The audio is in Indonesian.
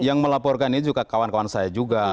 yang melaporkan ini juga kawan kawan saya juga